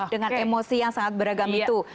dengan emosi yang sangat beragam itu